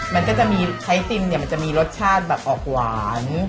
มันก็จะมีใช้ซิมมันจะมีรสชาติแบบออกหวาน